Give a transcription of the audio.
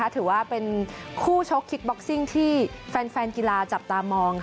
ถือว่าเป็นคู่ชกคิกบ็อกซิ่งที่แฟนกีฬาจับตามอง